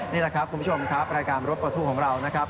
นี่แหละครับคุณผู้ชมครับรายการรถประทุกข์ของเรานะครับ